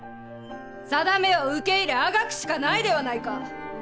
さだめを受け入れあがくしかないではないか。